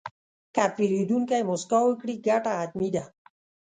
که پیرودونکی موسکا وکړي، ګټه حتمي ده.